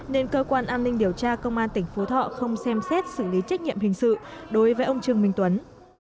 nên cơ quan an ninh điều tra công an tỉnh phú thọ không xem xét xử lý trách nhiệm hình sự đối với ông trương minh tuấn